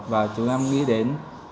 và chúng em nghĩ đến